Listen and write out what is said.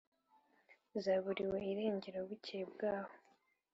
zaburiwe irengero bukeye bwaho.